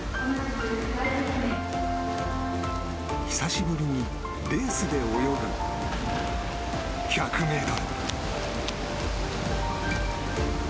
久しぶりにレースで泳ぐ１００ｍ。